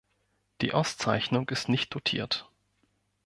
Die Auszeichnung ist nicht dotiert.